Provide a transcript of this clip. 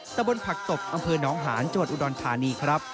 ตะบนผักตบอำเภอน้องหานจอุดรธานีครับ